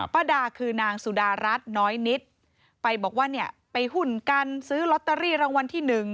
ป้าด่าคือนางสุดารัชน้อยนิดไปบอกว่าไปหุ่นกันซื้อลอตเตอรี่รางวัลที่๑